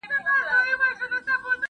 د دي جګړې وروسته صفويانو څه پرېکړه وکړه؟